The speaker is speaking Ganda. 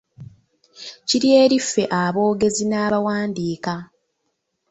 Kiri eri ffe aboogezi n'abawandiika.